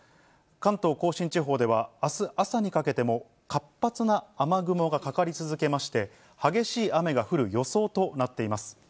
関東甲信地方ではあす朝にかけても、活発な雨雲がかかり続けまして、激しい雨が降る予想となっています。